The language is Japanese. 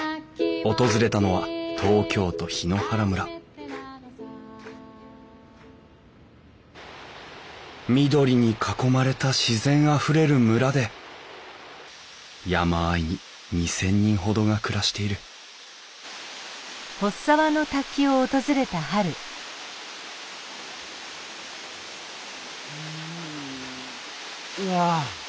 訪れたのは東京都檜原村緑に囲まれた自然あふれる村で山あいに２，０００人ほどが暮らしているうんあ。